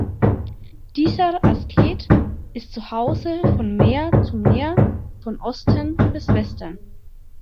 Dieser Asket „ist zu Hause von Meer zu Meer, von Osten bis Westen“.